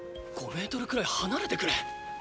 ５ｍくらい離れてくれ！